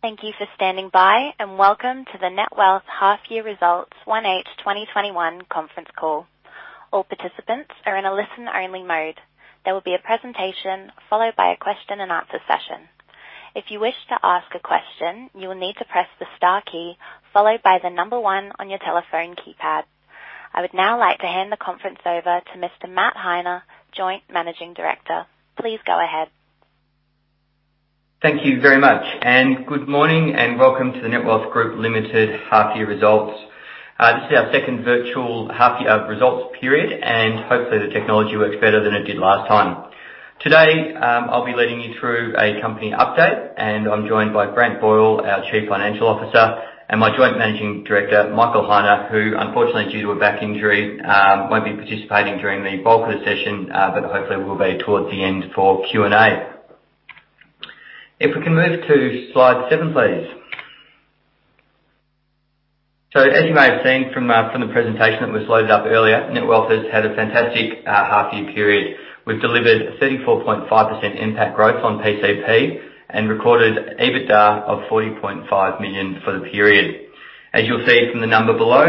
Thank you for standing by. Welcome to the Netwealth half year results 1H 2021 conference call. All participants are in a listen-only mode. There will be a presentation followed by a question and answer session. If you wish to ask a question, you will need to press the star key followed by the number one on your telephone keypad. I would now like to hand the conference over to Mr. Matt Heine, Joint Managing Director. Please go ahead. Thank you very much. Good morning and welcome to the Netwealth Group Limited half year results. This is our second virtual half year results period and hopefully the technology works better than it did last time. Today, I'll be leading you through a company update and I'm joined by Grant Boyle, our Chief Financial Officer, and my Joint Managing Director, Michael Heine, who unfortunately due to a back injury, won't be participating during the bulk of the session, but hopefully will be towards the end for Q&A. If we can move to slide seven, please. As you may have seen from the presentation that was loaded up earlier, Netwealth has had a fantastic half year period. We've delivered a 34.5% NPAT growth on PCP and recorded EBITDA of 40.5 million for the period. As you'll see from the number below,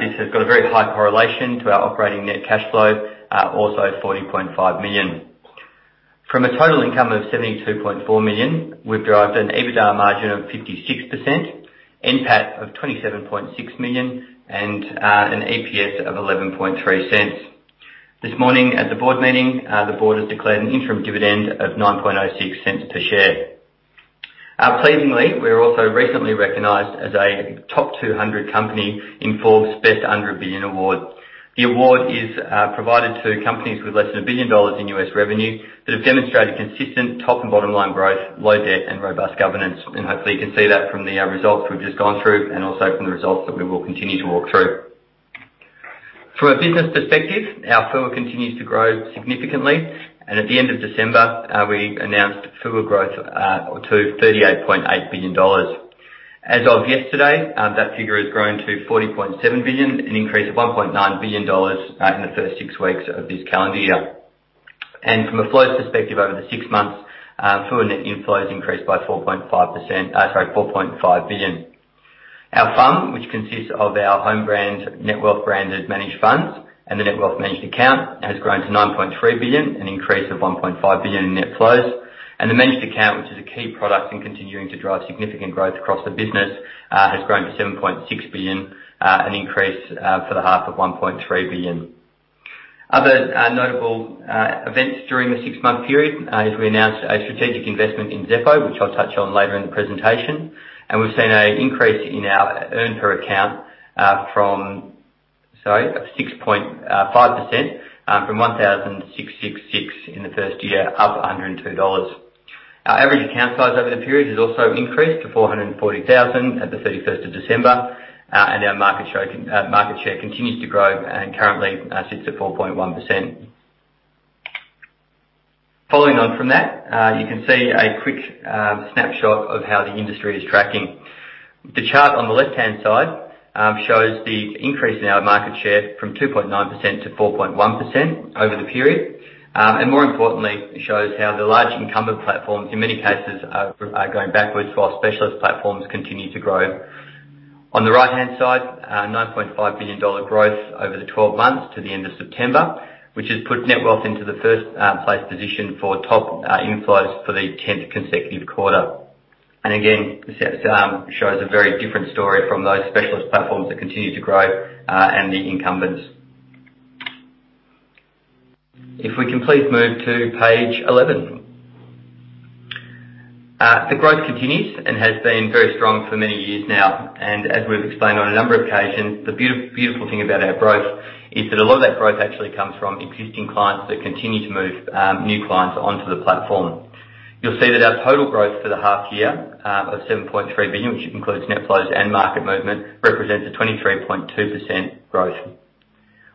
this has got a very high correlation to our operating net cash flow, also 40.5 million. From a total income of 72.4 million, we've derived an EBITDA margin of 56%, NPAT of 27.6 million and an EPS of 0.113. This morning at the board meeting, the board has declared an interim dividend of 0.0906 per share. Pleasingly, we were also recently recognized as a top 200 company in Forbes Best Under A Billion award. The award is provided to companies with less than $1 billion in U.S. revenue that have demonstrated consistent top and bottom-line growth, low debt, and robust governance. Hopefully you can see that from the results we've just gone through and also from the results that we will continue to walk through. From a business perspective, our FUA continues to grow significantly, at the end of December, we announced FUA growth to AUD 38.8 billion. As of yesterday, that figure has grown to AUD 40.7 billion, an increase of AUD 1.9 billion in the first six weeks of this calendar year. From a flows perspective over the six months, FUA and inflows increased by 4.5 billion. Our FUM, which consists of our home brand, Netwealth branded managed funds, and the Netwealth managed account, has grown to 9.3 billion, an increase of 1.5 billion in net flows. The managed account, which is a key product and continuing to drive significant growth across the business, has grown to 7.6 billion, an increase for the half of 1.3 billion. Other notable events during the six-month period is we announced a strategic investment in Xeppo, which I'll touch on later in the presentation. We've seen an increase in our earn per account of 6.5%, from 1,666 in the first year up 102 dollars. Our average account size over the period has also increased to 440,000 at the December 31st. Our market share continues to grow and currently sits at 4.1%. Following on from that, you can see a quick snapshot of how the industry is tracking. The chart on the left-hand side shows the increase in our market share from 2.9%-4.1% over the period. More importantly, it shows how the large incumbent platforms in many cases are going backwards while specialist platforms continue to grow. On the right-hand side, 9.5 billion dollar growth over the 12 months to the end of September, which has put Netwealth into the first place position for top inflows for the tenth consecutive quarter. Again, this shows a very different story from those specialist platforms that continue to grow and the incumbents. If we can please move to page 11. The growth continues and has been very strong for many years now and as we've explained on a number of occasions, the beautiful thing about our growth is that a lot of that growth actually comes from existing clients that continue to move new clients onto the platform. You'll see that our total growth for the half year of 7.3 billion, which includes net flows and market movement, represents a 23.2% growth.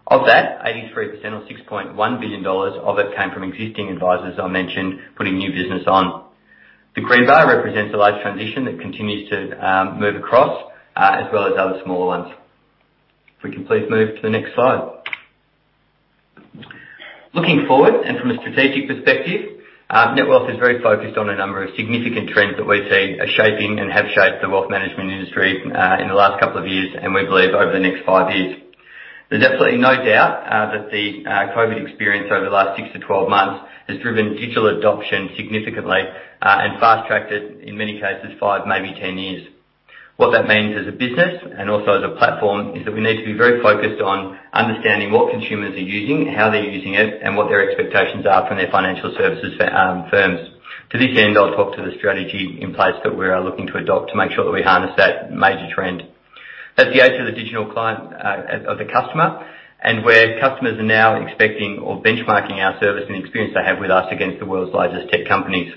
Of that, 83% or 6.1 billion dollars of it came from existing advisers, I mentioned, putting new business on. The green bar represents the large transition that continues to move across, as well as other smaller ones. If we can please move to the next slide. Looking forward and from a strategic perspective, Netwealth is very focused on a number of significant trends that we see are shaping and have shaped the wealth management industry in the last couple of years, and we believe over the next five years. There's absolutely no doubt that the COVID experience over the last 6-12 months has driven digital adoption significantly, and fast-tracked it, in many cases, five, maybe 10 years. What that means as a business and also as a platform, is that we need to be very focused on understanding what consumers are using, how they're using it, and what their expectations are from their financial services firms. To this end, I'll talk to the strategy in place that we're looking to adopt to make sure that we harness that major trend. That's the age of the digital client, of the customer, and where customers are now expecting or benchmarking our service and experience they have with us against the world's largest tech companies.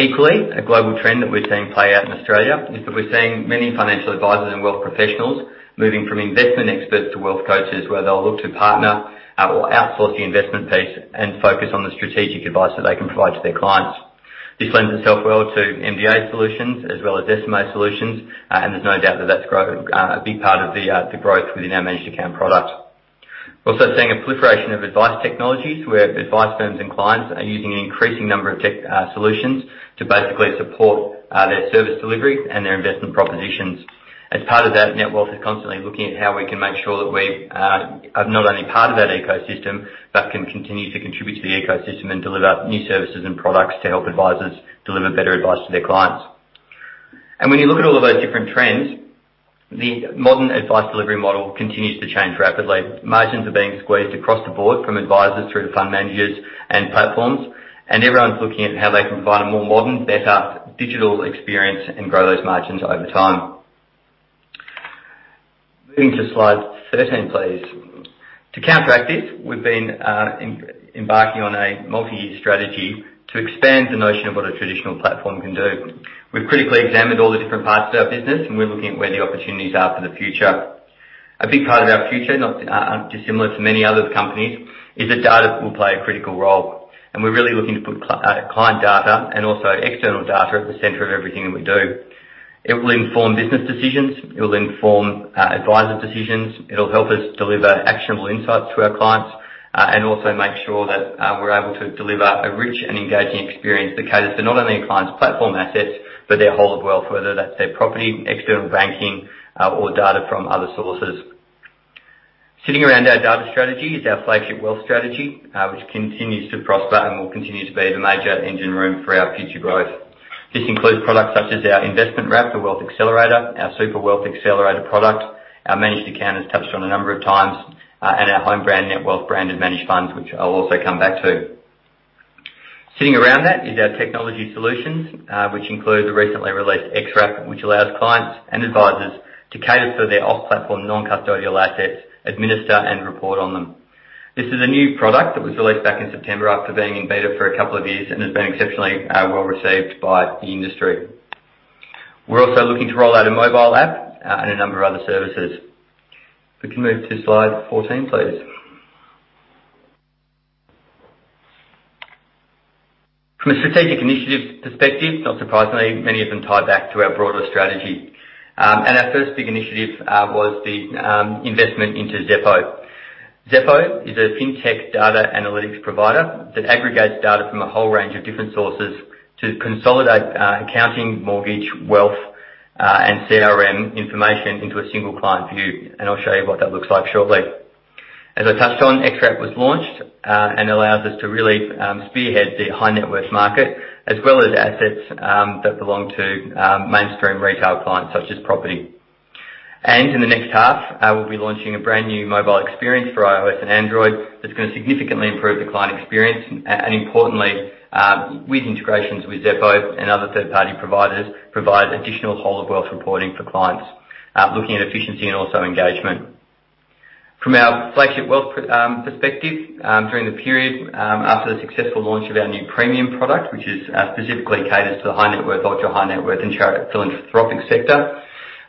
Equally, a global trend that we're seeing play out in Australia is that we're seeing many financial advisers and wealth professionals moving from investment experts to wealth coaches, where they'll look to partner or outsource the investment piece and focus on the strategic advice that they can provide to their clients. This lends itself well to MDA solutions as well as Decimal solutions, and there's no doubt that that's a big part of the growth within our managed account product. We're also seeing a proliferation of advice technologies, where advice firms and clients are using an increasing number of tech solutions to basically support their service delivery and their investment propositions. As part of that, Netwealth is constantly looking at how we can make sure that we are not only part of that ecosystem, but can continue to contribute to the ecosystem and deliver new services and products to help advisors deliver better advice to their clients. When you look at all of those different trends, the modern advice delivery model continues to change rapidly. Margins are being squeezed across the board, from advisors through to fund managers and platforms, and everyone's looking at how they can provide a more modern, better digital experience and grow those margins over time. Moving to slide 13, please. To counteract this, we've been embarking on a multi-year strategy to expand the notion of what a traditional platform can do. We've critically examined all the different parts of our business, and we're looking at where the opportunities are for the future. A big part of our future, not dissimilar to many other companies, is that data will play a critical role. We're really looking to put client data and also external data at the center of everything that we do. It will inform business decisions. It will inform advisor decisions. It'll help us deliver actionable insights to our clients, and also make sure that we're able to deliver a rich and engaging experience that caters to not only a client's platform assets, but their whole of wealth, whether that's their property, external banking, or data from other sources. Sitting around our data strategy is our flagship wealth strategy, which continues to prosper and will continue to be the major engine room for our future growth. This includes products such as our investment wrap, the Wealth Accelerator, our super Wealth Accelerator product, our managed accounts touched on a number of times, and our home brand Netwealth branded managed funds, which I'll also come back to. Sitting around that is our technology solutions, which include the recently released XWrap, which allows clients and advisors to cater for their off-platform non-custodial assets, administer and report on them. This is a new product that was released back in September after being in beta for a couple of years and has been exceptionally well received by the industry. We're also looking to roll out a mobile app, and a number of other services. If we can move to slide 14, please. From a strategic initiative perspective, not surprisingly, many of them tie back to our broader strategy. Our first big initiative was the investment into Xeppo. Xeppo is a fintech data analytics provider that aggregates data from a whole range of different sources to consolidate accounting, mortgage, wealth, and CRM information into a single client view. I'll show you what that looks like shortly. As I touched on, XWrap was launched. Allows us to really spearhead the high net worth market, as well as assets that belong to mainstream retail clients, such as property. In the next half, we'll be launching a brand-new mobile experience for iOS and Android that's going to significantly improve the client experience. Importantly, with integrations with Xeppo and other third-party providers, provide additional whole of wealth reporting for clients, looking at efficiency and also engagement. From our flagship wealth perspective, during the period after the successful launch of our new premium product, which specifically caters to the high net worth, ultra-high net worth, and philanthropic sector,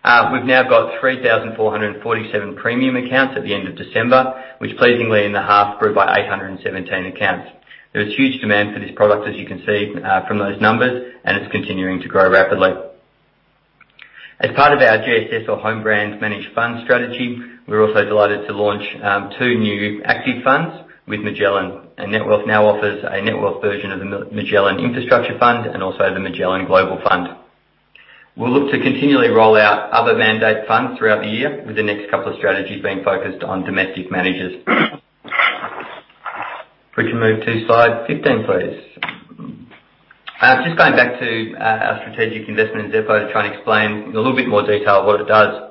we've now got 3,447 premium accounts at the end of December, which pleasingly in the half grew by 817 accounts. There was huge demand for this product, as you can see from those numbers, and it's continuing to grow rapidly. As part of our GSS or home brand managed fund strategy, we're also delighted to launch two new active funds with Magellan. Netwealth now offers a Netwealth version of the Magellan Infrastructure Fund and also the Magellan Global Fund. We'll look to continually roll out other mandate funds throughout the year with the next couple of strategies being focused on domestic managers. If we can move to slide 15, please. Going back to our strategic investment in Xeppo to try and explain in a little bit more detail what it does.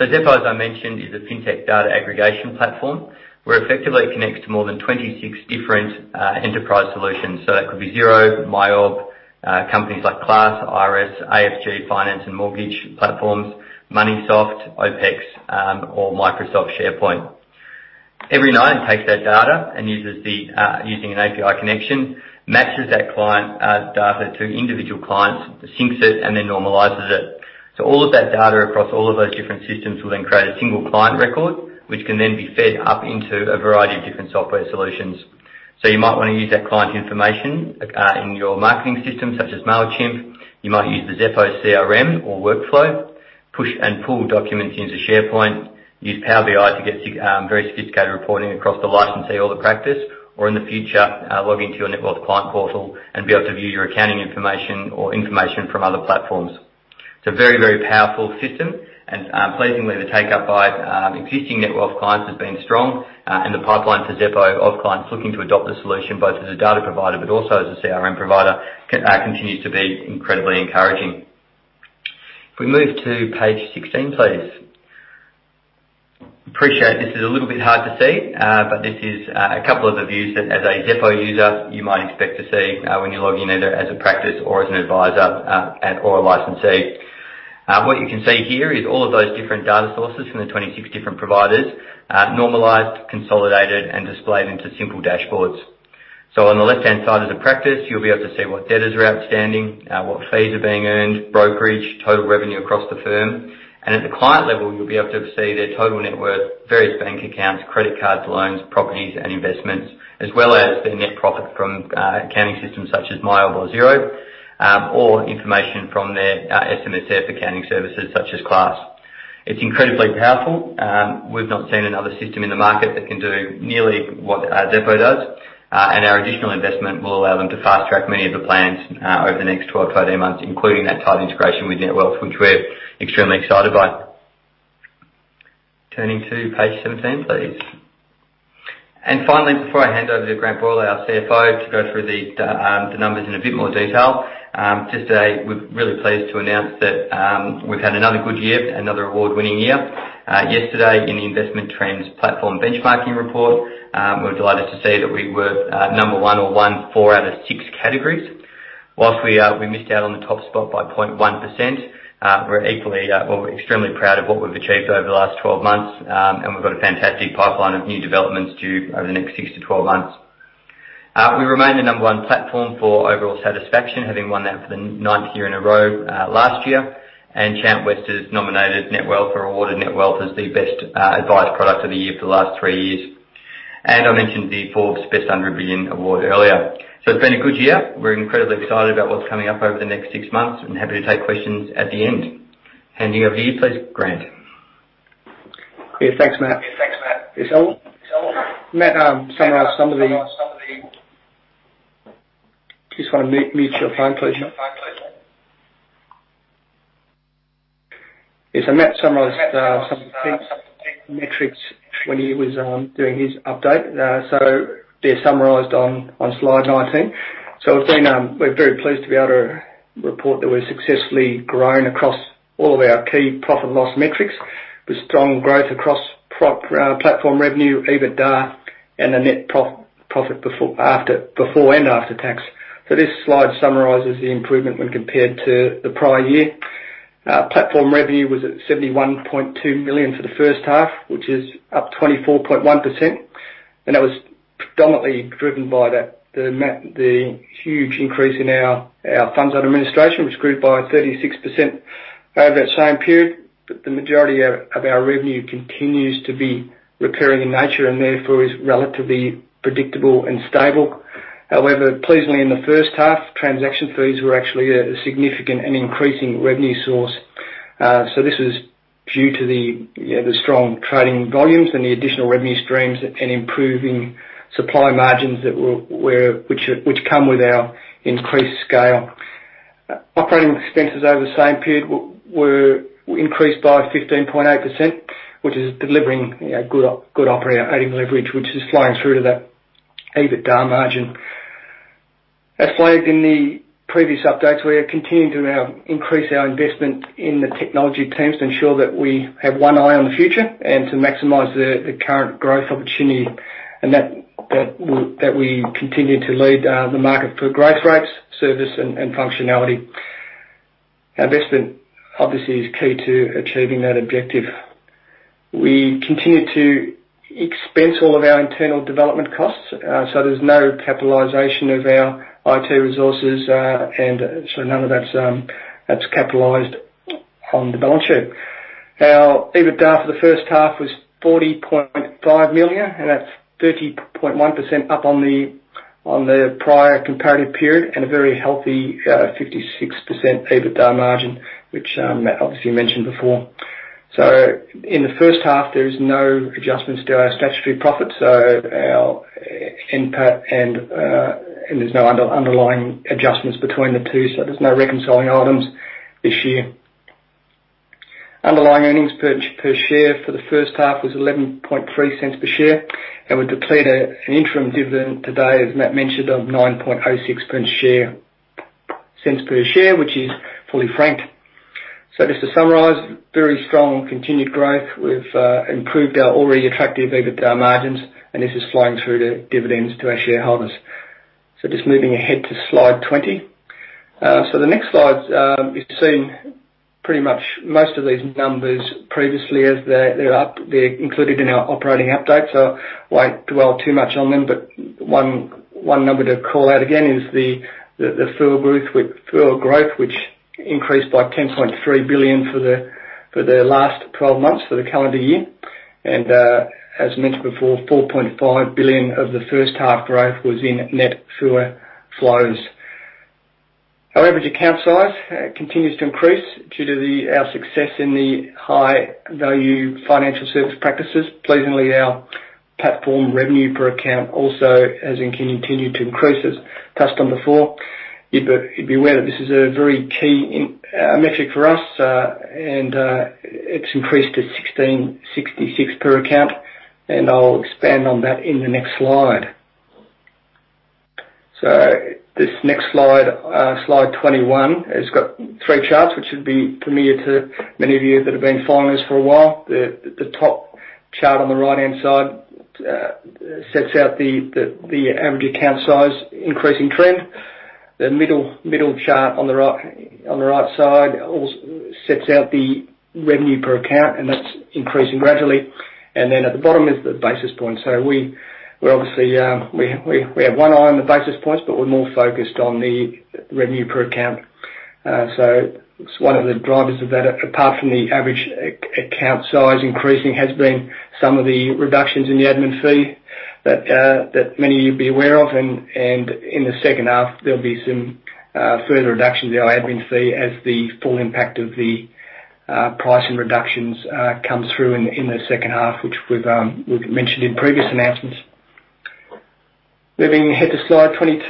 Xeppo, as I mentioned, is a fintech data aggregation platform where effectively it connects to more than 26 different enterprise solutions. That could be Xero, MYOB, companies like Class, Iress, AFG Finance and Mortgage platforms, Moneysoft, OPEX, or Microsoft SharePoint. Every night, it takes that data and using an API connection, matches that client data to individual clients, syncs it, and then normalizes it. All of that data across all of those different systems will then create a single client record, which can then be fed up into a variety of different software solutions. You might want to use that client information in your marketing system, such as Mailchimp. You might use the Xeppo CRM or workflow, push and pull documents into SharePoint, use Power BI to get very sophisticated reporting across the licensee or the practice, or in the future, log into your Netwealth client portal and be able to view your accounting information or information from other platforms. It's a very, very powerful system, and pleasingly, the take-up by existing Netwealth clients has been strong, and the pipeline for Xeppo of clients looking to adopt the solution both as a data provider but also as a CRM provider, continues to be incredibly encouraging. We move to page 16, please. Appreciate this is a little bit hard to see, but this is a couple of the views that as a Xeppo user, you might expect to see when you log in either as a practice or as an advisor or a licensee. What you can see here is all of those different data sources from the 26 different providers, normalized, consolidated, and displayed into simple dashboards. On the left-hand side as a practice, you'll be able to see what debtors are outstanding, what fees are being earned, brokerage, total revenue across the firm. At the client level, you'll be able to see their total net worth, various bank accounts, credit cards, loans, properties, and investments, as well as their net profit from accounting systems such as MYOB or Xero. Information from their SMSF accounting services, such as Class. It's incredibly powerful. We've not seen another system in the market that can do nearly what Xeppo does. Our additional investment will allow them to fast-track many of the plans over the next 12, 13 months, including that tight integration with Netwealth, which we're extremely excited by. Turning to page 17, please. Finally, before I hand over to Grant Boyle, our CFO, to go through the numbers in a bit more detail. Yesterday, we're really pleased to announce that we've had another good year, another award-winning year. Yesterday, in the Investment Trends Platform Benchmarking Report, we were delighted to see that we were number one or won four out of six categories. Whilst we missed out on the top spot by 0.1%, we're extremely proud of what we've achieved over the last 12 months. We've got a fantastic pipeline of new developments due over the next six to 12 months. We remain the number one platform for overall satisfaction, having won that for the ninth year in a row last year. Chant West has nominated Netwealth or awarded Netwealth as the best advice product of the year for the last three years. I mentioned the Forbes Best Under A Billion award earlier. It's been a good year. We're incredibly excited about what's coming up over the next six months and happy to take questions at the end. Handing over to you, please, Grant. Yeah, thanks, Matt. Matt summarized some of the. Just want to mute your phone, please. Matt summarized some of the key metrics when he was doing his update. They're summarized on slide 19. We're very pleased to be able to report that we've successfully grown across all of our key profit loss metrics, with strong growth across platform revenue, EBITDA, and the net profit before and after tax. This slide summarizes the improvement when compared to the prior year. Platform revenue was at 71.2 million for the first half, which is up 24.1%, and that was predominantly driven by the huge increase in our funds under administration, which grew by 36% over that same period. The majority of our revenue continues to be recurring in nature and therefore is relatively predictable and stable. Pleasingly in the first half, transaction fees were actually a significant and increasing revenue source. This was due to the strong trading volumes and the additional revenue streams and improving supply margins which come with our increased scale. Operating expenses over the same period were increased by 15.8%, which is delivering good operating leverage, which is flowing through to that EBITDA margin. As flagged in the previous updates, we are continuing to increase our investment in the technology teams to ensure that we have one eye on the future and to maximize the current growth opportunity, and that we continue to lead the market for growth rates, service, and functionality. Investment, obviously, is key to achieving that objective. We continue to expense all of our internal development costs, so there's no capitalization of our IT resources. None of that's capitalized on the balance sheet. Our EBITDA for the first half was 40.5 million, that's 30.1% up on the prior comparative period and a very healthy 56% EBITDA margin, which Matt obviously mentioned before. In the first half, there is no adjustments to our statutory profits, so our NPAT, and there's no underlying adjustments between the two, so there's no reconciling items this year. Underlying earnings per share for the first half was 0.113 per share, we declared an interim dividend today, as Matt mentioned, of 0.0906 per share, which is fully franked. Just to summarize, very strong continued growth. We've improved our already attractive EBITDA margins, this is flowing through to dividends to our shareholders. Just moving ahead to slide 20. The next slide, you've seen pretty much most of these numbers previously as they're included in our operating update. I won't dwell too much on them, but one number to call out again is the FUA growth, which increased by 10.3 billion for the last 12 months for the calendar year. As mentioned before, 4.5 billion of the first half growth was in net FUA flows. Our average account size continues to increase due to our success in the high-value financial service practices. Pleasingly, our platform revenue per account also has continued to increase, as discussed before. You'd be aware that this is a very key metric for us, and it's increased to 1,666 per account, and I'll expand on that in the next slide. This next slide 21, has got three charts, which would be familiar to many of you that have been following us for a while. The top chart on the right-hand side sets out the average account size increasing trend. The middle chart on the right side sets out the revenue per account, that's increasing gradually. At the bottom is the basis points. We obviously have one eye on the basis points, but we're more focused on the revenue per account. One of the drivers of that, apart from the average account size increasing, has been some of the reductions in the admin fee that many of you would be aware of. In the second half, there'll be some further reductions in our admin fee as the full impact of the pricing reductions comes through in the second half, which we've mentioned in previous announcements. Moving ahead to slide 22.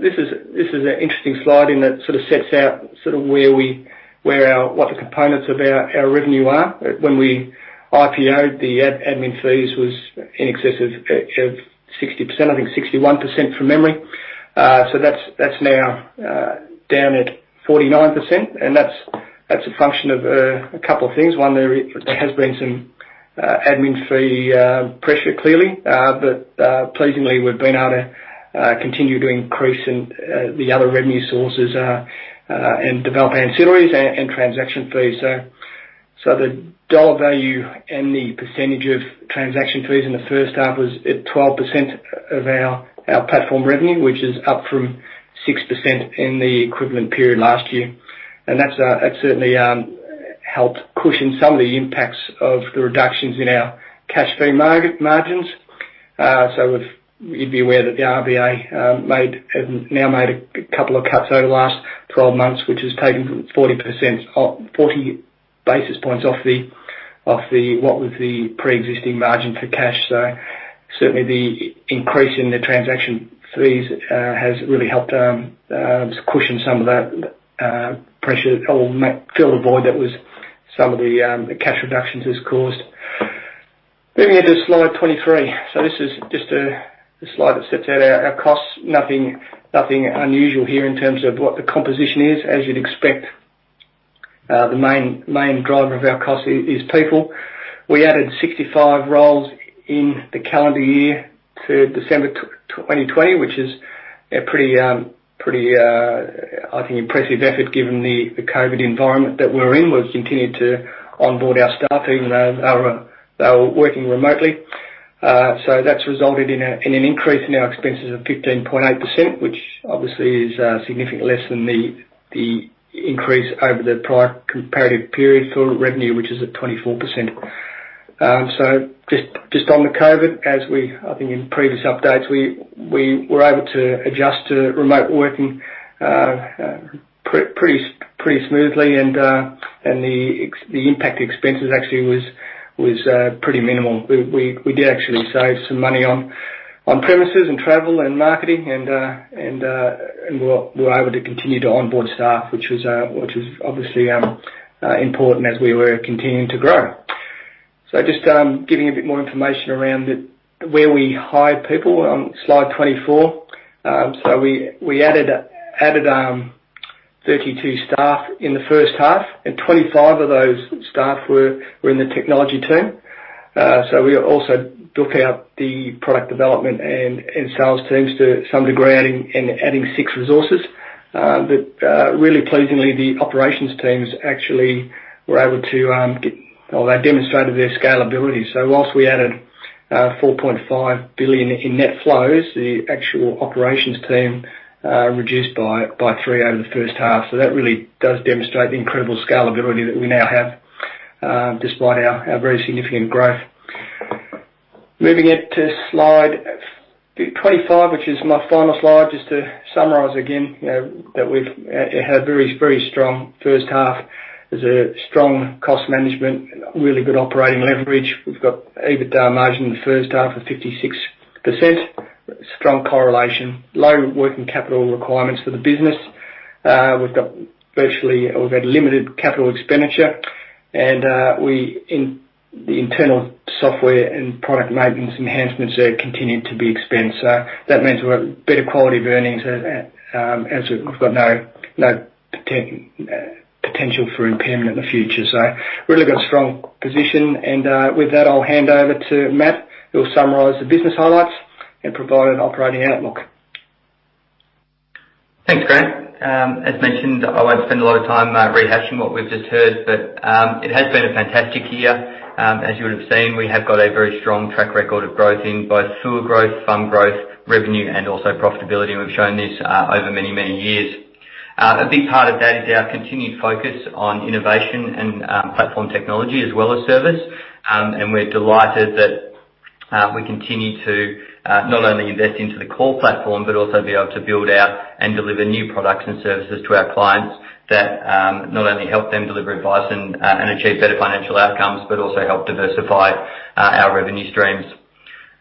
This is an interesting slide in that it sort of sets out what the components of our revenue are. When we IPO'd, the admin fees was in excess of 60%, I think 61% from memory. That's now down at 49%, and that's a function of a couple of things. One, there has been some admin fee pressure, clearly. Pleasingly, we've been able to continue to increase the other revenue sources and develop ancillaries and transaction fees. The AUD value and the percentage of transaction fees in the first half was at 12% of our platform revenue, which is up from 6% in the equivalent period last year. That's certainly helped cushion some of the impacts of the reductions in our cash fee margins. You'd be aware that the RBA have now made a couple of cuts over the last 12 months, which has taken 40 basis points off what was the preexisting margin for cash. Certainly, the increase in the transaction fees has really helped cushion some of that pressure or fill the void that some of the cash reductions has caused. Moving into slide 23. This is just a slide that sets out our costs. Nothing unusual here in terms of what the composition is. As you'd expect, the main driver of our cost is people. We added 65 roles in the calendar year to December 2020, which is a pretty, I think, impressive effort given the COVID environment that we're in. We've continued to onboard our staff, even though they were working remotely. That's resulted in an increase in our expenses of 15.8%, which obviously is significantly less than the increase over the prior comparative period for revenue, which is at 24%. Just on the COVID, as we, I think in previous updates, we were able to adjust to remote working pretty smoothly. The impact expenses actually was pretty minimal. We did actually save some money on premises and travel and marketing, and we were able to continue to onboard staff, which was obviously important as we were continuing to grow. Just giving a bit more information around where we hired people on slide 24. We added 32 staff in the first half, and 25 of those staff were in the technology team. We also took out the product development and sales teams to some degree and adding six resources. Really pleasingly, the operations teams actually were able to get. Well, they demonstrated their scalability. Whilst we added 4.5 billion in net flows, the actual operations team reduced by three over the first half. That really does demonstrate the incredible scalability that we now have, despite our very significant growth. Moving it to slide 25, which is my final slide, just to summarize again, that we've had a very strong first half. There's a strong cost management, really good operating leverage. We've got EBITDA margin in the first half of 56%, strong correlation, low working capital requirements for the business. We've had limited capital expenditure, and the internal software and product maintenance enhancements there continued to be expense. That means we've better quality of earnings as we've got no potential for impairment in the future. Really got a strong position. With that, I'll hand over to Matt, who'll summarize the business highlights and provide an operating outlook. Thanks, Grant. As mentioned, I won't spend a lot of time rehashing what we've just heard. It has been a fantastic year. As you would have seen, we have got a very strong track record of growth in both FUA growth, fund growth, revenue, and also profitability, and we've shown this over many, many years. A big part of that is our continued focus on innovation and platform technology as well as service. We're delighted that we continue to not only invest into the core platform, but also be able to build out and deliver new products and services to our clients that not only help them deliver advice and achieve better financial outcomes, but also help diversify our revenue streams.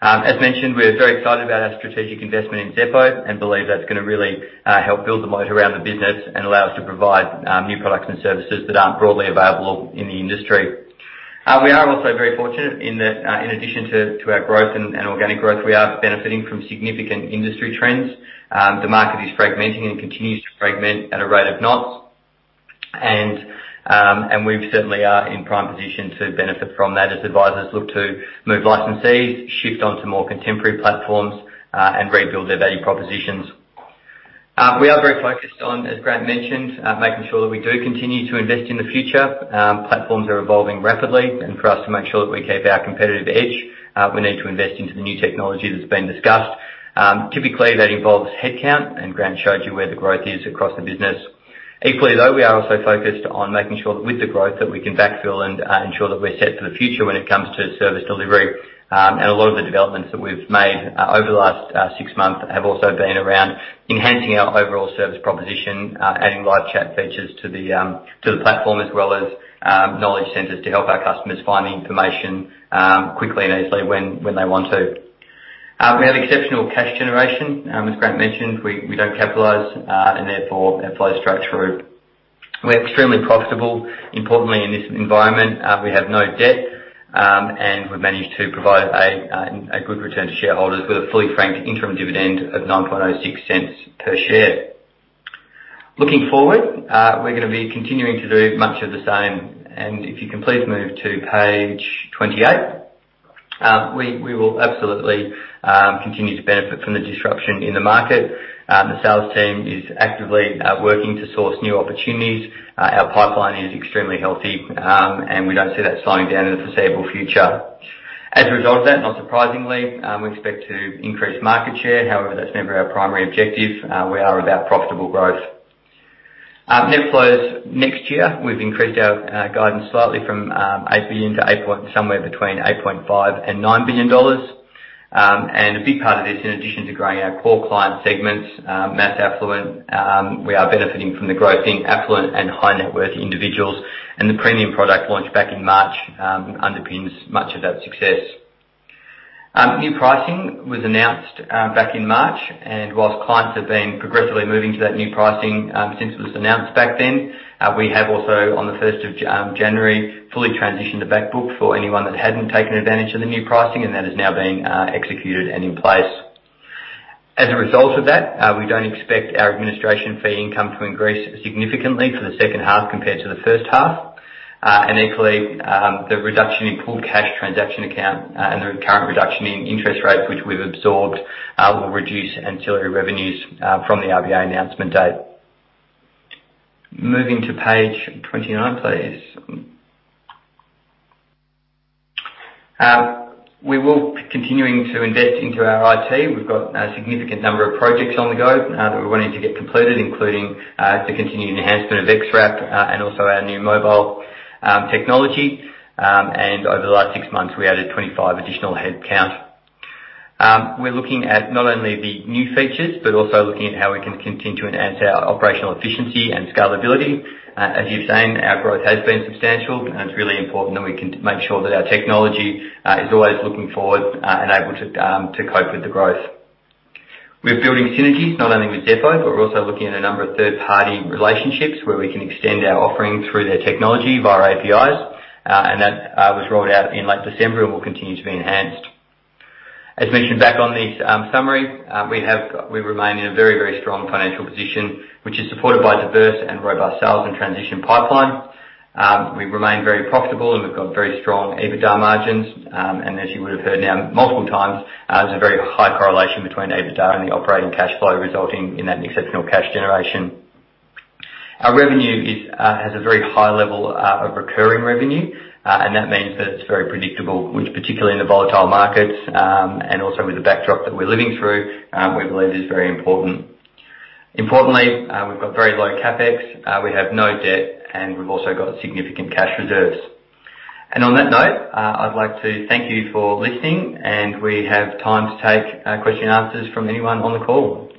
As mentioned, we're very excited about our strategic investment in Xeppo and believe that's going to really help build the moat around the business and allow us to provide new products and services that aren't broadly available in the industry. We are also very fortunate in that in addition to our growth and organic growth, we are benefiting from significant industry trends. The market is fragmenting and continues to fragment at a rate of knots. We certainly are in prime position to benefit from that as advisors look to move licensees, shift onto more contemporary platforms, and rebuild their value propositions. We are very focused on, as Grant mentioned, making sure that we do continue to invest in the future. Platforms are evolving rapidly. For us to make sure that we keep our competitive edge, we need to invest into the new technology that's been discussed. Typically, that involves headcount, Grant showed you where the growth is across the business. Equally, though, we are also focused on making sure that with the growth that we can backfill and ensure that we're set for the future when it comes to service delivery. A lot of the developments that we've made over the last six months have also been around enhancing our overall service proposition, adding live chat features to the platform, as well as knowledge centers to help our customers find the information quickly and easily when they want to. We have exceptional cash generation. As Grant mentioned, we don't capitalize. Therefore, our flow is straight through. We're extremely profitable. Importantly, in this environment, we have no debt. We've managed to provide a good return to shareholders with a fully franked interim dividend of 0.0906 per share. Looking forward, we're going to be continuing to do much of the same. If you can please move to page 28. We will absolutely continue to benefit from the disruption in the market. The sales team is actively working to source new opportunities. Our pipeline is extremely healthy, and we don't see that slowing down in the foreseeable future. As a result of that, not surprisingly, we expect to increase market share. However, that's never our primary objective. We are about profitable growth. Net flows next year, we've increased our guidance slightly from 8 billion to somewhere between 8.5 billion-9 billion dollars. A big part of this, in addition to growing our core client segments, mass affluent, we are benefiting from the growth in affluent and high-net-worth individuals. The premium product launched back in March underpins much of that success. New pricing was announced back in March. Whilst clients have been progressively moving to that new pricing since it was announced back then, we have also, on the 1st of January, fully transitioned the back book for anyone that hadn't taken advantage of the new pricing, and that is now being executed and in place. As a result of that, we don't expect our administration fee income to increase significantly for the second half compared to the first half. Equally, the reduction in pooled cash transaction account and the current reduction in interest rates, which we've absorbed, will reduce ancillary revenues from the RBA announcement date. Moving to page 29, please. We will be continuing to invest into our IT. We've got a significant number of projects on the go that we're wanting to get completed, including the continued enhancement of XWrap and also our new mobile technology. Over the last six months, we added 25 additional headcount. We're looking at not only the new features, but also looking at how we can continue to enhance our operational efficiency and scalability. As you've seen, our growth has been substantial, and it's really important that we can make sure that our technology is always looking forward and able to cope with the growth. We're building synergies not only with Xeppo, but we're also looking at a number of third-party relationships where we can extend our offering through their technology via APIs. That was rolled out in late December and will continue to be enhanced. As mentioned back on the summary, we remain in a very strong financial position, which is supported by a diverse and robust sales and transition pipeline. We remain very profitable, and we've got very strong EBITDA margins. As you would have heard now multiple times, there's a very high correlation between EBITDA and the operating cash flow resulting in that exceptional cash generation. Our revenue has a very high level of recurring revenue. That means that it's very predictable, which particularly in the volatile markets, and also with the backdrop that we're living through, we believe is very important. Importantly, we've got very low CapEx, we have no debt, and we've also got significant cash reserves. On that note, I'd like to thank you for listening, and we have time to take question and answers from anyone on the call.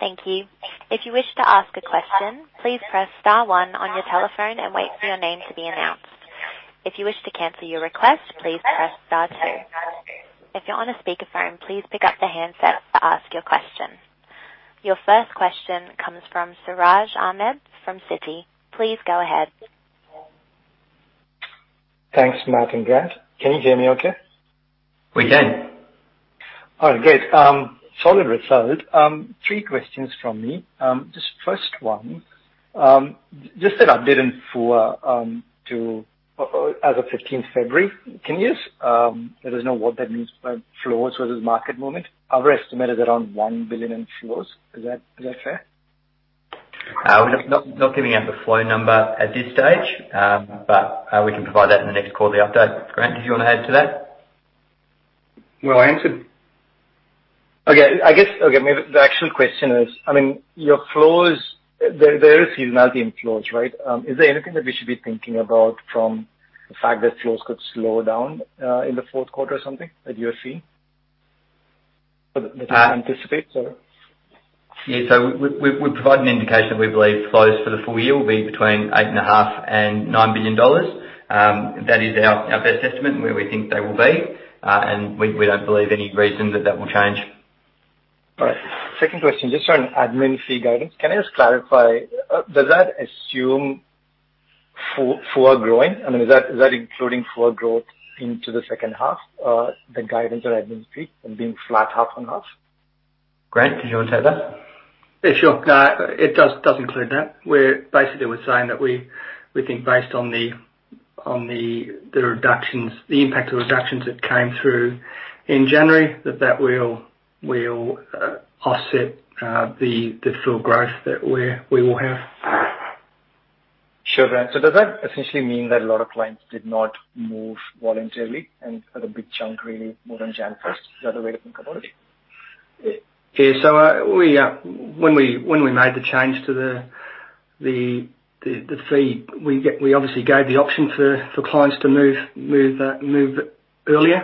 Thank you. If you wish to ask a question, please press star one on your telephone and wait for your name to be announced. If you wish to cancel your request, please press star two. If you're on a speakerphone, please pick up the handset to ask your question. Your first question comes from Siraj Ahmed from Citi. Please go ahead. Thanks, Matt and Grant. Can you hear me okay? We can. All right, great. Solid result. Three questions from me. First one, just an update for as of February 15th, can you let us know what that means by flows versus market movement? Our estimate is around 1 billion in flows. Is that fair? We're not giving out the flow number at this stage. We can provide that in the next quarterly update. Grant, did you want to add to that? Well answered. Okay. I guess, maybe the actual question is, your flows, there is seasonality in flows, right? Is there anything that we should be thinking about from the fact that flows could slow down in the fourth quarter or something that you are seeing? Yeah. We provide an indication that we believe flows for the full year will be between 8.5 billion and 9 billion dollars. That is our best estimate and where we think they will be. We don't believe any reason that that will change. All right. Second question, just on admin fee guidance. Can you just clarify, does that assume flow growing? I mean, is that including flow growth into the second half, the guidance on admin fee and being flat half on half? Grant, did you want to take that? Yeah, sure. It does include that, where basically we're saying that we think based on the impact of reductions that came through in January, that that will offset the full growth that we will have. Sure, Grant. Does that essentially mean that a lot of clients did not move voluntarily and had a big chunk really move on January first? Is that the way to think about it? When we made the change to the fee, we obviously gave the option for clients to move earlier. We made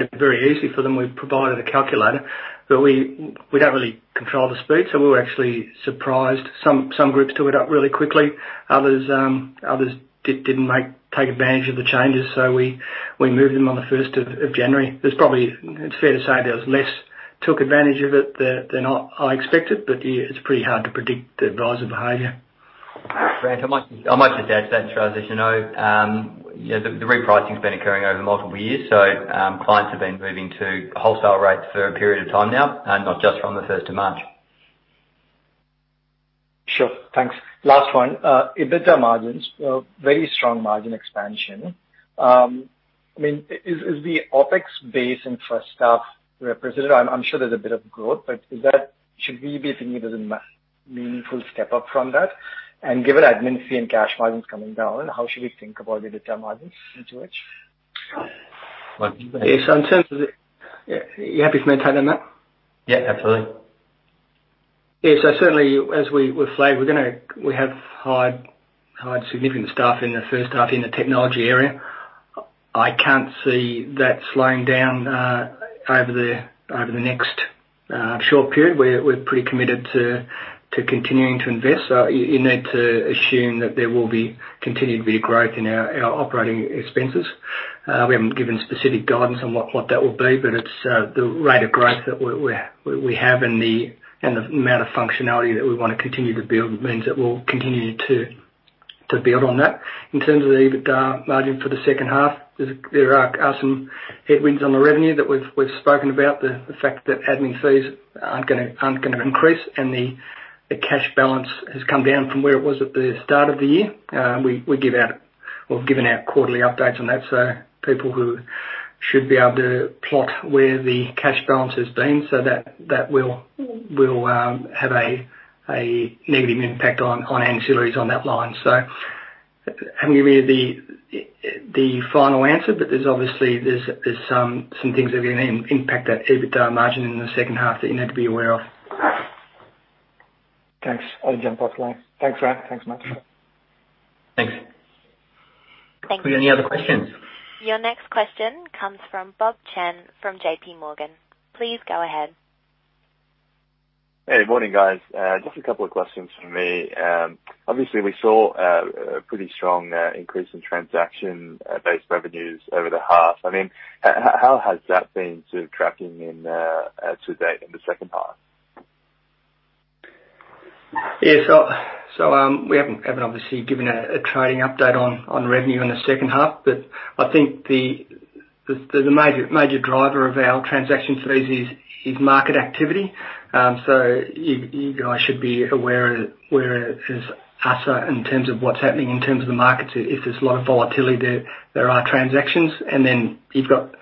it very easy for them. We provided a calculator, but we don't really control the speed, so we were actually surprised. Some groups took it up really quickly. Others didn't take advantage of the changes, so we moved them on the January 1st. It's fair to say, less took advantage of it than I expected, but it's pretty hard to predict the adviser behavior. Grant, I'll might just add to that, just as you know, the repricing's been occurring over multiple years, so clients have been moving to wholesale rates for a period of time now, not just from the March 1st. Sure. Thanks. Last one. EBITDA margins, very strong margin expansion. Is the OpEx base in for staff represented? I'm sure there's a bit of growth, but should we be thinking there's a meaningful step up from that? Given admin fee and cash margins coming down, how should we think about the EBITDA margins going into H? Well, yes. You happy for me to take on that? Yeah, absolutely. Certainly as we flagged, we have hired significant staff in the first half in the technology area. I can't see that slowing down over the next short period. We're pretty committed to continuing to invest. You need to assume that there will be continued to be growth in our operating expenses. We haven't given specific guidance on what that will be, but it's the rate of growth that we have and the amount of functionality that we want to continue to build means that we'll continue to build on that. In terms of the EBITDA margin for the second half, there are some headwinds on the revenue that we've spoken about. The fact that admin fees aren't going to increase, and the cash balance has come down from where it was at the start of the year. We've given out quarterly updates on that, so people who should be able to plot where the cash balance has been so that will have a negative impact on ancillaries on that line. Haven't given you the final answer, but obviously there's some things that are going to impact that EBITDA margin in the second half that you need to be aware of. Thanks. I'll jump off line. Thanks, Grant. Thanks, Matt. Thanks. Thank you. Any other questions? Your next question comes from Bob Chen from JPMorgan. Please go ahead. Hey, morning, guys. Just a couple of questions from me. Obviously, we saw a pretty strong increase in transaction-based revenues over the half. How has that been tracking to date in the second half? Yeah. We haven't obviously given a trading update on revenue in the second half, but I think the major driver of our transaction fees is market activity. You guys should be aware where is ASX in terms of what's happening in terms of the markets. If there's a lot of volatility there are transactions, and then you've got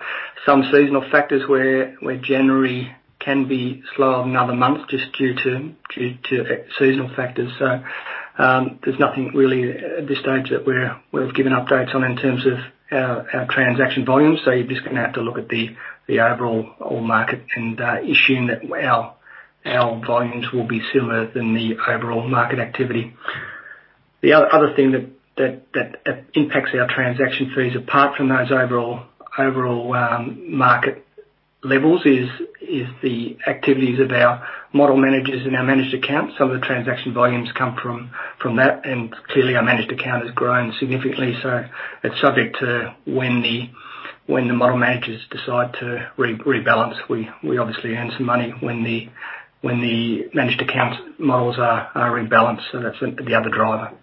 some seasonal factors where January can be slower than other months just due to seasonal factors. There's nothing really at this stage that we've given updates on in terms of our transaction volumes. You're just going to have to look at the overall market and assume that our volumes will be similar than the overall market activity. The other thing that impacts our transaction fees, apart from those overall market levels, is the activities of our model managers and our managed accounts. Some of the transaction volumes come from that, and clearly our managed account has grown significantly. It's subject to when the model managers decide to rebalance. We obviously earn some money when the managed accounts models are rebalanced, so that's the other driver.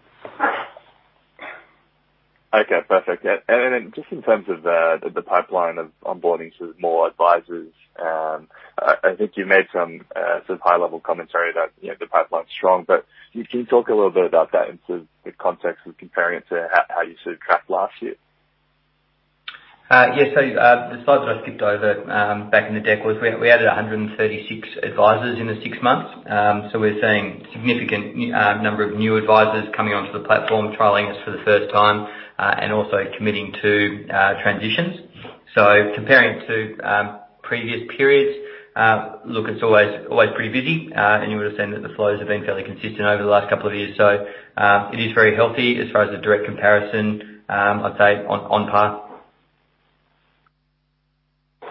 Okay, perfect. Then just in terms of the pipeline of onboarding more advisers, I think you made some high-level commentary that the pipeline's strong, can you talk a little bit about that in the context of comparing it to how you tracked last year? The slides that I skipped over back in the deck was we added 136 advisors in the six months. We're seeing a significant number of new advisors coming onto the platform, trialing us for the first time, and also committing to transitions. Comparing it to previous periods, look, it's always pretty busy. You would have seen that the flows have been fairly consistent over the last couple of years. It is very healthy as far as the direct comparison, I'd say on par.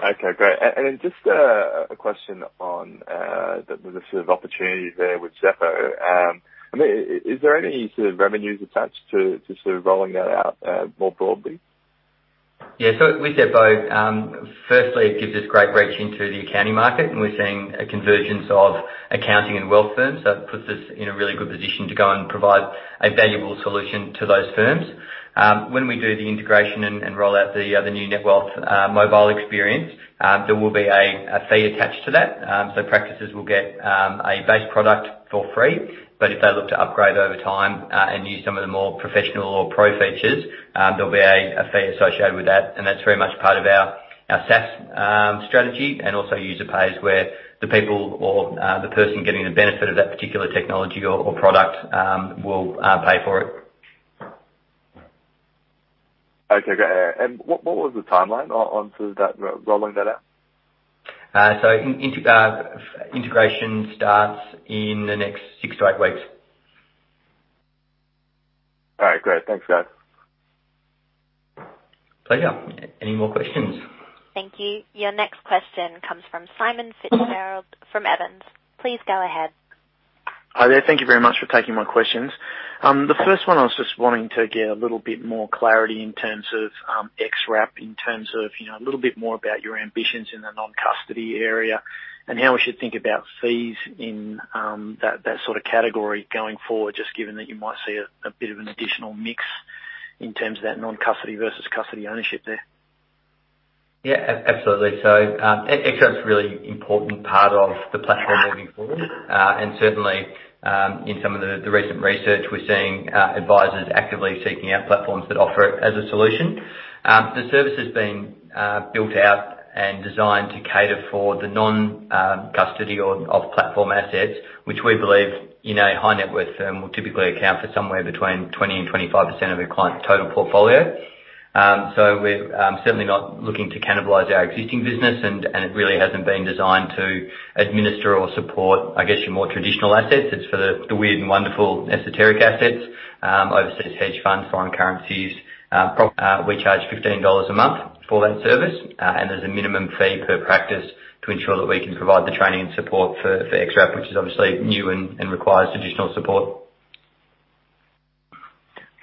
Okay, great. Just a question on the sort of opportunity there with Xeppo. Is there any sort of revenues attached to rolling that out more broadly? Yeah. With Xeppo, firstly, it gives us great reach into the accounting market, and we're seeing a convergence of accounting and wealth firms. That puts us in a really good position to go and provide a valuable solution to those firms. When we do the integration and roll out the new Netwealth mobile experience, there will be a fee attached to that. Practices will get a base product for free, but if they look to upgrade over time and use some of the more professional or pro features, there'll be a fee associated with that. That's very much part of our SaaS strategy and also user-pays, where the people or the person getting the benefit of that particular technology or product will pay for it. Okay, great. What was the timeline onto rolling that out? Integration starts in the next six to eight weeks. All right, great. Thanks, guys. Pleasure. Any more questions? Thank you. Your next question comes from Simon Fitzgerald from Evans. Please go ahead. Hi there. Thank you very much for taking my questions. The first one, I was just wanting to get a little bit more clarity in terms of XWrap, in terms of a little bit more about your ambitions in the non-custody area, and how we should think about fees in that sort of category going forward, just given that you might see a bit of an additional mix in terms of that non-custody versus custody ownership there. Yeah, absolutely. XWrap's a really important part of the platform moving forward. Certainly, in some of the recent research, we're seeing advisors actively seeking out platforms that offer it as a solution. The service has been built out and designed to cater for the non-custody of platform assets, which we believe in a high net worth firm will typically account for somewhere between 20% and 25% of a client's total portfolio. We're certainly not looking to cannibalize our existing business, and it really hasn't been designed to administer or support, I guess, your more traditional assets. It's for the weird and wonderful esoteric assets, overseas hedge funds, foreign currencies. We charge 15 dollars a month for that service. There's a minimum fee per practice to ensure that we can provide the training and support for XWrap, which is obviously new and requires additional support.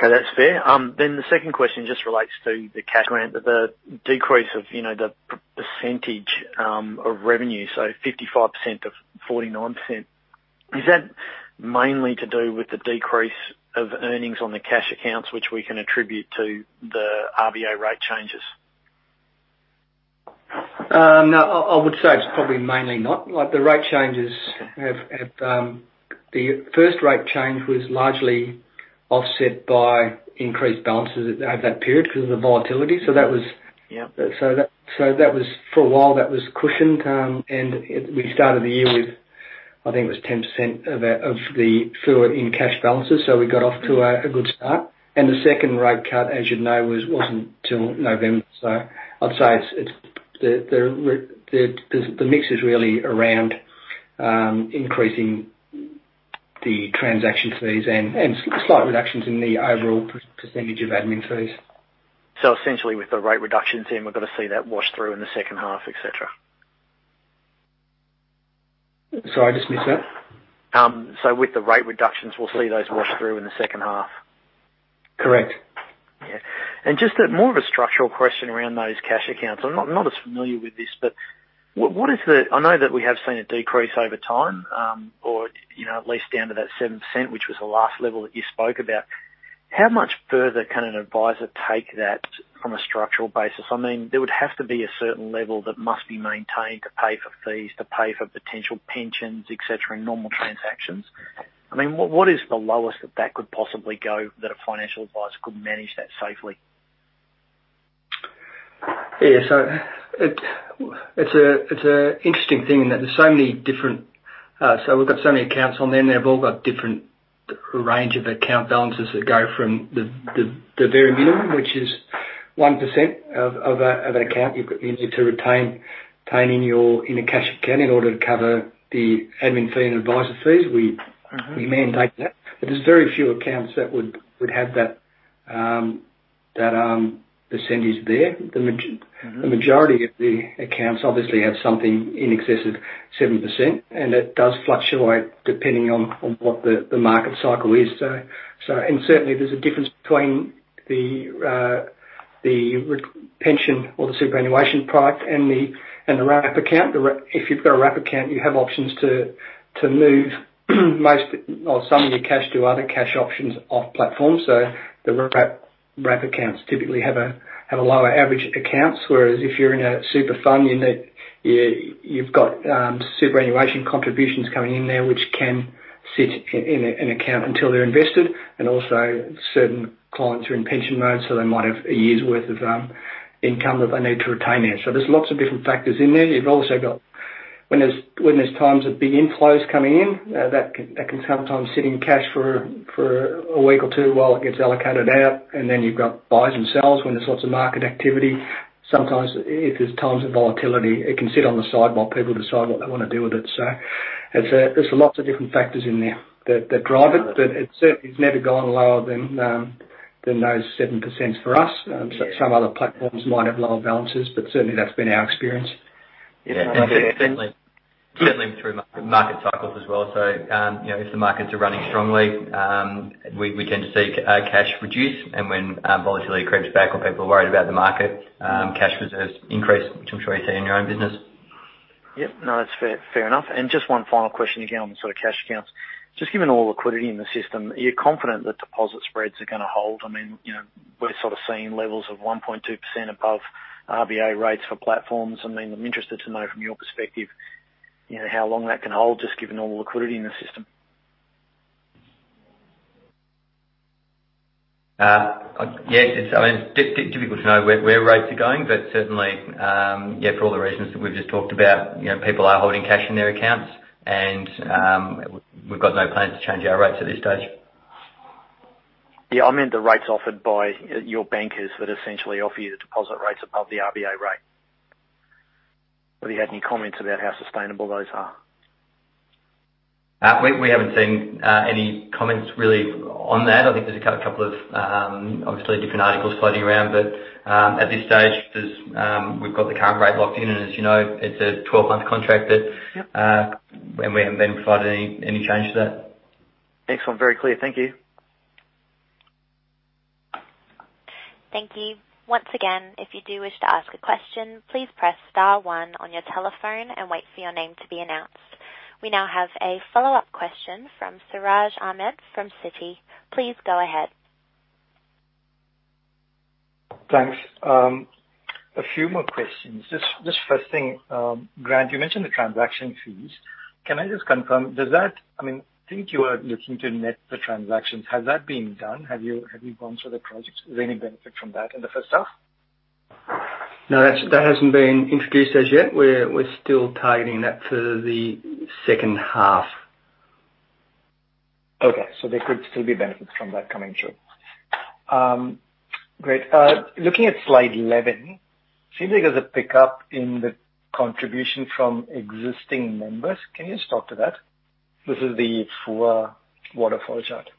Okay, that's fair. The second question just relates to the cash management, the decrease of the percentage of revenue, so 55% of 49%. Is that mainly to do with the decrease of earnings on the cash accounts, which we can attribute to the RBA rate changes? No, I would say it's probably mainly not. The first rate change was largely offset by increased balances over that period because of the volatility. Yeah. For a while, that was cushioned. We started the year with, I think it was 10% of the FUM in cash balances, so we got off to a good start. The second rate cut, as you'd know, wasn't till November. I'd say the mix is really around increasing the transaction fees and slight reductions in the overall percentage of admin fees. Essentially, with the rate reductions in, we're going to see that wash through in the second half, et cetera? Sorry, I just missed that. With the rate reductions, we'll see those wash through in the second half. Correct. Yeah. Just more of a structural question around those cash accounts. I'm not as familiar with this, but I know that we have seen a decrease over time, or at least down to that 7%, which was the last level that you spoke about. How much further can an advisor take that from a structural basis? There would have to be a certain level that must be maintained to pay for fees, to pay for potential pensions, et cetera, and normal transactions. What is the lowest that that could possibly go that a financial advisor could manage that safely? It's an interesting thing in that we've got so many accounts on there, and they've all got different range of account balances that go from the very minimum, which is 1% of an account you've got the need to retain in a cash account in order to cover the admin fee and advisor fees. We mandate that. There's very few accounts that would have that percentage there. The majority of the accounts obviously have something in excess of 7%, and that does fluctuate depending on what the market cycle is. Certainly, there's a difference between the pension or the superannuation product and the wrap account. If you've got a wrap account, you have options to move most or some of your cash to other cash options off platform. The wrap accounts typically have a lower average accounts, whereas if you're in a super fund, you've got superannuation contributions coming in there, which can sit in an account until they're invested. Also, certain clients are in pension mode, so they might have a year's worth of income that they need to retain there. There's lots of different factors in there. You've also got when there's times of big inflows coming in, that can sometimes sit in cash for a week or two while it gets allocated out. You've got buys and sells when there's lots of market activity. Sometimes if there's times of volatility, it can sit on the side while people decide what they want to do with it. There's lots of different factors in there that drive it, but it certainly has never gone lower than those 7% for us. Yeah. Some other platforms might have lower balances, but certainly that's been our experience. Yeah. Certainly through market cycles as well. If the markets are running strongly, we tend to see cash reduce, and when volatility creeps back or people are worried about the market, cash reserves increase, which I'm sure you see in your own business. Yep. No, that's fair enough. Just one final question, again, on the sort of cash accounts. Just given all the liquidity in the system, are you confident that deposit spreads are going to hold? We're sort of seeing levels of 1.2% above RBA rates for platforms. I'm interested to know from your perspective, how long that can hold, just given all the liquidity in the system. Yes. It's difficult to know where rates are going, but certainly, for all the reasons that we've just talked about, people are holding cash in their accounts, and we've got no plans to change our rates at this stage. Yeah, I meant the rates offered by your bankers that essentially offer you the deposit rates above the RBA rate. Have you had any comments about how sustainable those are? We haven't seen any comments really on that. I think there's a couple of obviously different articles floating around, at this stage, we've got the current rate locked in and as you know, it's a 12-month contract. Yep. We haven't been provided any change to that. Excellent. Very clear. Thank you. Thank you. Once again, if you do wish to ask a question, please press star one on your telephone and wait for your name to be announced. We now have a follow-up question from Siraj Ahmed from Citi. Please go ahead. Thanks. A few more questions. Just first thing, Grant, you mentioned the transaction fees. Can I just confirm, I think you were looking to net the transactions. Has that been done? Have you gone through the projects? Is there any benefit from that in the first half? No, that hasn't been introduced as yet. We're still targeting that for the second half. Okay. There could still be benefits from that coming through. Great. Looking at slide 11, seems like there's a pickup in the contribution from existing members. Can you just talk to that? This is the FUA waterfall chart.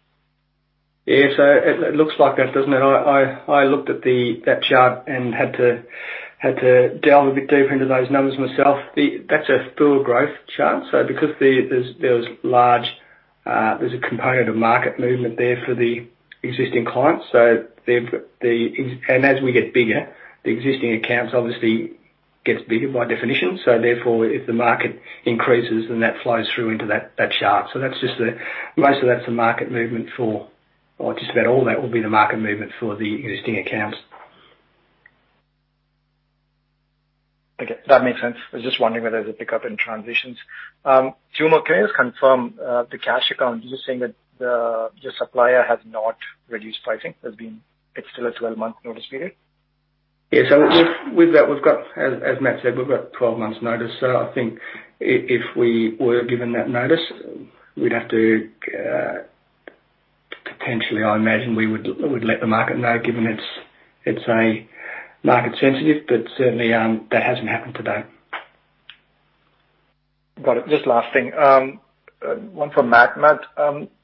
Yeah. It looks like that, doesn't it? I looked at that chart and had to delve a bit deeper into those numbers myself. That's a full growth chart. Because there's a component of market movement there for the existing clients. As we get bigger, the existing accounts obviously gets bigger by definition. Therefore, if the market increases, then that flows through into that chart. Most of that's the market movement for, or just about all that will be the market movement for the existing accounts. Okay. That makes sense. I was just wondering whether there's a pickup in transitions. Two more. Can you just confirm, the cash account, you're saying that the supplier has not reduced pricing, it's still a 12-month notice period? Yeah. With that, as Matt said, we've got 12 months notice. I think if we were given that notice, we'd have to, potentially, I imagine, we would let the market know, given it's market sensitive. Certainly, that hasn't happened to date. Got it. Just last thing. One for Matt. Matt,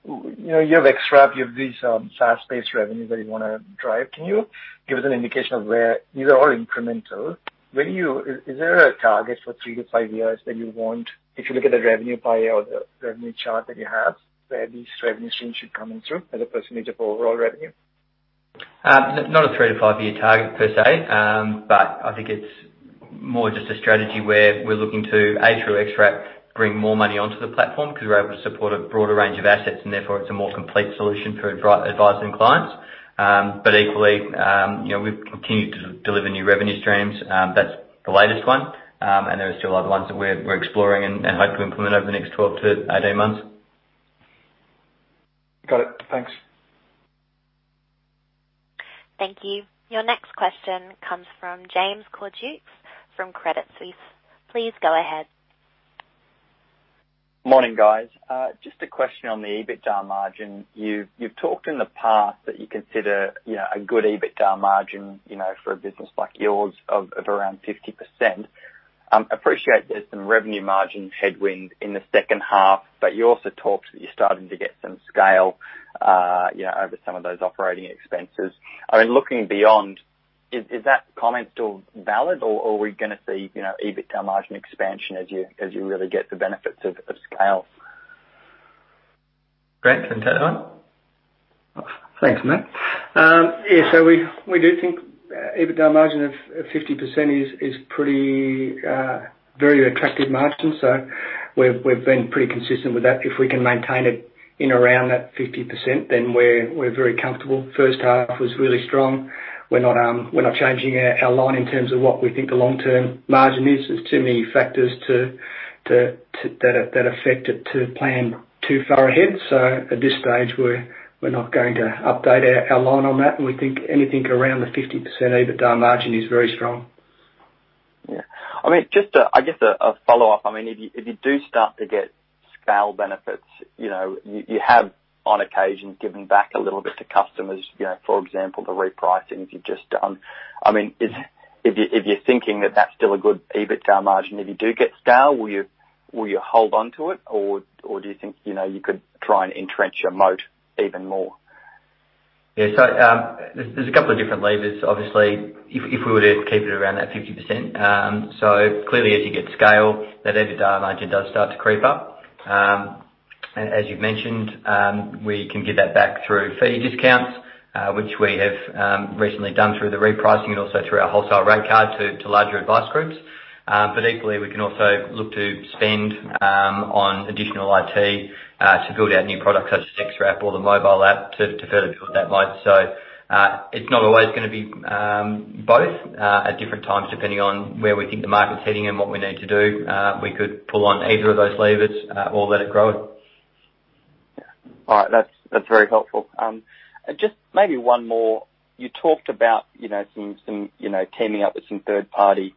you have XWrap, you have these SaaS-based revenue that you want to drive. Can you give us an indication of where, these are all incremental. Is there a target for three to five years that you want, if you look at the revenue pie or the revenue chart that you have, where these revenue streams should be coming through as a percentage of overall revenue? Not a three to five year target per se. I think it's more just a strategy where we're looking to, A, through XWrap, bring more money onto the platform because we're able to support a broader range of assets, and therefore it's a more complete solution for advising clients. Equally, we've continued to deliver new revenue streams. That's the latest one, and there are still other ones that we're exploring and hope to implement over the next 12-18 months. Got it. Thanks. Thank you. Your next question comes from James Cordukes from Credit Suisse. Please go ahead. Morning, guys. Just a question on the EBITDA margin. You've talked in the past that you consider a good EBITDA margin for a business like yours of around 50%. Appreciate there's some revenue margin headwind in the second half, but you also talked that you're starting to get some scale over some of those operating expenses. Looking beyond, is that comment still valid or are we going to see EBITDA margin expansion as you really get the benefits of scale? Grant, do you want that one? Thanks, Matt. We do think EBITDA margin of 50% is a very attractive margin. We've been pretty consistent with that. If we can maintain it in around that 50%, we're very comfortable. First half was really strong. We're not changing our line in terms of what we think the long-term margin is. There's too many factors that affect it to plan too far ahead. At this stage, we're not going to update our line on that, and we think anything around the 50% EBITDA margin is very strong. Yeah. Just a follow-up. If you do start to get scale benefits, you have on occasion given back a little bit to customers, for example, the repricing that you've just done. If you're thinking that that's still a good EBITDA margin, if you do get scale, will you hold onto it or do you think you could try and entrench your moat even more? Yeah. There's a couple of different levers. Obviously, if we were to keep it around that 50%, clearly as you get scale, that EBITDA margin does start to creep up. As you've mentioned, we can give that back through fee discounts, which we have recently done through the repricing and also through our wholesale rate card to larger advice groups. Equally, we can also look to spend on additional IT to build our new product such as XWrap or the mobile app to further build that moat. It's not always going to be both at different times, depending on where we think the market's heading and what we need to do. We could pull on either of those levers or let it grow. All right. That is very helpful. Just maybe one more. You talked about teaming up with some third-party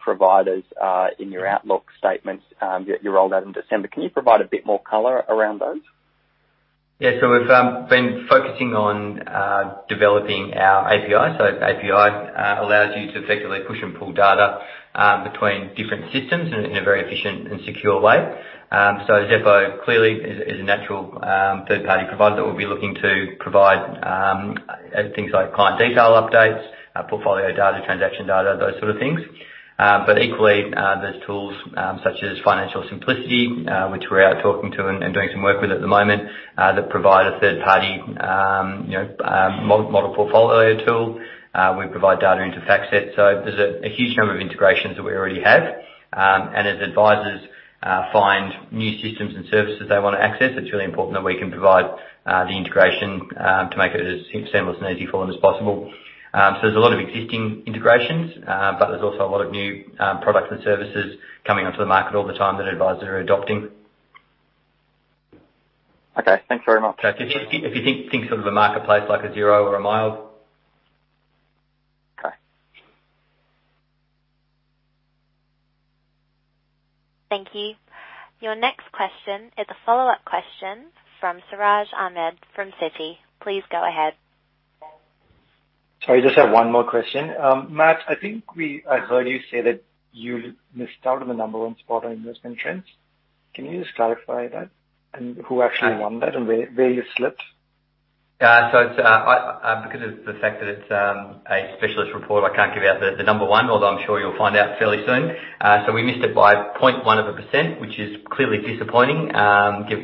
providers in your outlook statements that you rolled out in December. Can you provide a bit more color around those? Yeah. We've been focusing on developing our API. API allows you to effectively push and pull data between different systems in a very efficient and secure way. Xeppo clearly is a natural third-party provider that will be looking to provide things like client detail updates, portfolio data, transaction data, those sort of things. Equally, there's tools such as Financial Simplicity, which we're out talking to and doing some work with at the moment, that provide a third-party model portfolio tool. We provide data into FactSet. There's a huge number of integrations that we already have. As advisors find new systems and services they want to access, it's really important that we can provide the integration to make it as seamless and easy for them as possible. There's a lot of existing integrations, but there's also a lot of new products and services coming onto the market all the time that advisors are adopting. Okay, thanks very much. If you think sort of a marketplace like a Xero or a MYOB. Okay. Thank you. Your next question is a follow-up question from Siraj Ahmed from Citi. Please go ahead. Sorry, I just have one more question. Matt, I think I heard you say that you missed out on the number one spot on Investment Trends. Can you just clarify that? Who actually won that and where you slipped? Yeah. Because of the fact that it's a specialist report, I can't give out the number one, although I'm sure you'll find out fairly soon. We missed it by 0.1%, which is clearly disappointing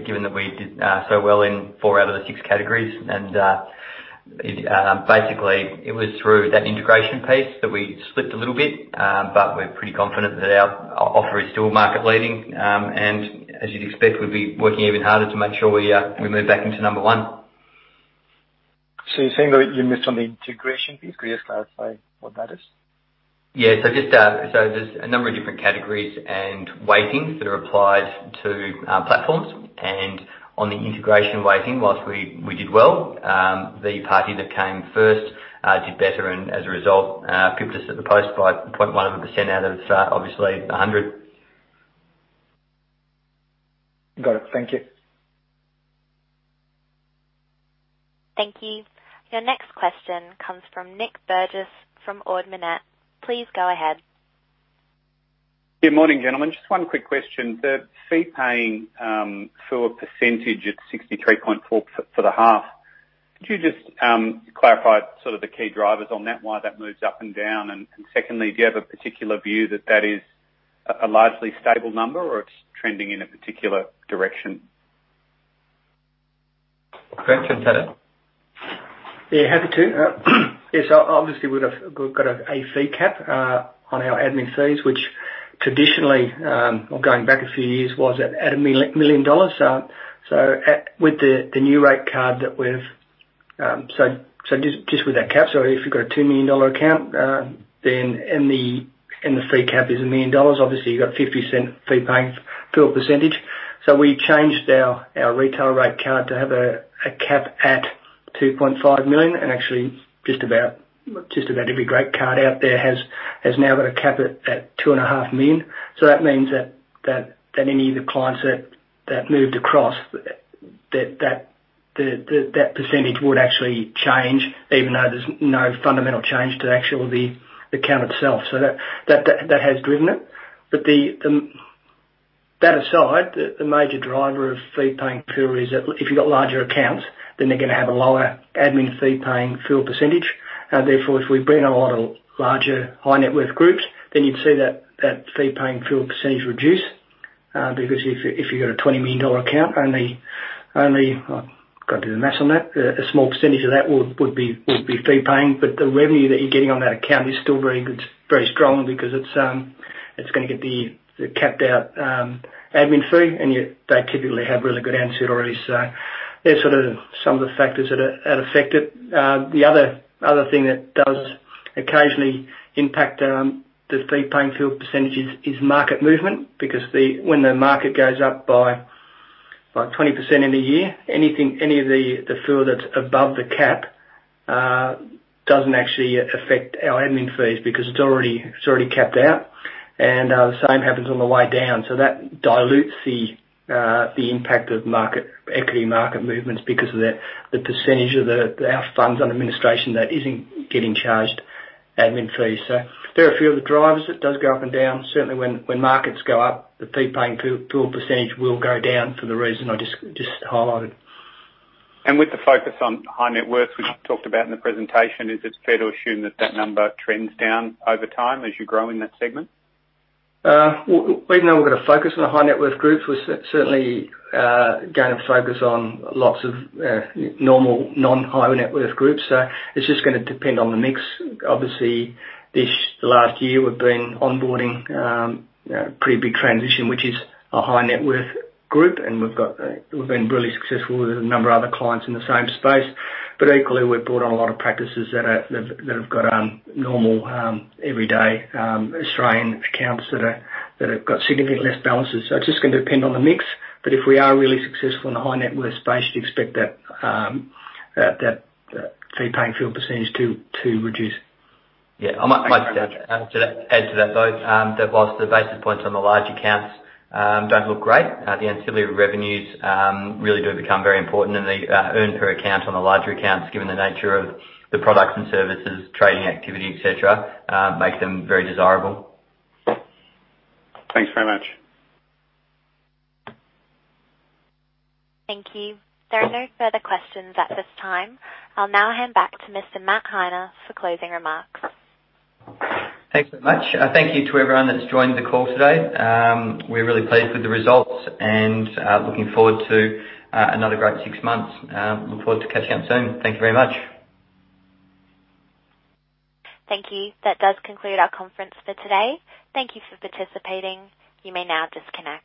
given that we did so well in four out of the six categories. Basically, it was through that integration piece that we slipped a little bit, but we're pretty confident that our offer is still market-leading. As you'd expect, we'd be working even harder to make sure we move back into number one. You're saying that you missed on the integration piece. Could you just clarify what that is? Yeah. There's a number of different categories and weightings that are applied to platforms. On the integration weighting, whilst we did well, the party that came first did better, and as a result, pipped us at the post by 0.1% out of, obviously, 100. Got it. Thank you. Thank you. Your next question comes from Nick Burgess from Ord Minnett. Please go ahead. Good morning, gentlemen. Just one quick question. The fee paying FUA percentage at 63.4 for the half, could you just clarify the key drivers on that, why that moves up and down? Secondly, do you have a particular view that that is a largely stable number or it's trending in a particular direction? Grant, do you want to take that? Yeah, happy to. Obviously, we've got a fee cap on our admin fees, which traditionally, well, going back a few years, was at 1 million dollars. Just with that cap, if you've got a 2 million dollar account, and the fee cap is 1 million dollars, obviously, you've got 0.50 fee paying FUA percentage. We changed our retail rate card to have a cap at 2.5 million, and actually, just about every rate card out there has now got a cap at 2.5 million. That means that any of the clients that moved across, that percentage would actually change, even though there's no fundamental change to the account itself. That has driven it. That aside, the major driver of fee paying fee is that if you've got larger accounts, they're going to have a lower admin fee paying FUA percentage. If we bring on a lot of larger high-net-worth groups, you'd see that fee paying FUA percentage reduce. If you've got an 20 million dollar account, only, got to do the maths on that, a small percentage of that would be fee paying. The revenue that you're getting on that account is still very strong because it's going to get the capped out admin fee, and yet they typically have really good ancillaries. They're some of the factors that affect it. The other thing that does occasionally impact the fee paying FUA percentage is market movement, because when the market goes up by 20% in a year, any of the fee that's above the cap doesn't actually affect our admin fees because it's already capped out. The same happens on the way down. That dilutes the impact of equity market movements because of the percentage of our funds under administration that isn't getting charged admin fees. They're a few of the drivers. It does go up and down. Certainly, when markets go up, the fee paying FUA percentage will go down for the reason I just highlighted. With the focus on high net worth, which you talked about in the presentation, is it fair to assume that that number trends down over time as you grow in that segment? Well, even though we're going to focus on the high net worth groups, we're certainly going to focus on lots of normal non-high net worth groups. It's just going to depend on the mix. Obviously, this last year, we've been onboarding a pretty big transition, which is a high net worth group, and we've been really successful with a number of other clients in the same space. Equally, we've brought on a lot of practices that have got normal everyday Australian accounts that have got significantly less balances. It's just going to depend on the mix. If we are really successful in the high net worth space, you'd expect that fee paying FUA percentage to reduce. Yeah. I might just add to that, though, that whilst the basis points on the large accounts don't look great, the ancillary revenues really do become very important and the earn per account on the larger accounts, given the nature of the products and services, trading activity, et cetera, make them very desirable. Thanks very much. Thank you. There are no further questions at this time. I'll now hand back to Mr. Matt Heine for closing remarks. Thanks very much. Thank you to everyone that's joined the call today. We're really pleased with the results and looking forward to another great six months. Look forward to catching up soon. Thank you very much. Thank you. That does conclude our conference for today. Thank you for participating. You may now disconnect.